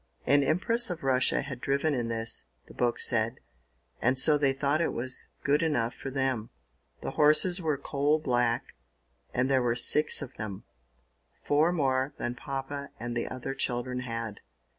An Empress of Russia had driven in this, the book said, and so they thought it was good enough for them. The horses were coal black, and there were six of them, four more than Papa and the other children had.